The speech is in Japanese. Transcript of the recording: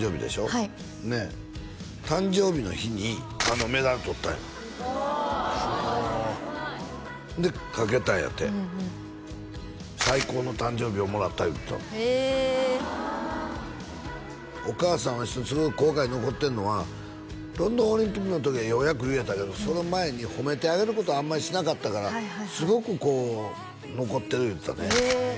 はいねえ誕生日の日にあのメダル取ったんよすごでかけたんやて最高の誕生日をもらった言うてたもんええお母さんはすごく後悔残ってんのはロンドンオリンピックの時はようやく言えたけどその前に褒めてあげることをあんまりしなかったからすごくこう残ってる言うてたねええ！